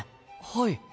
はい。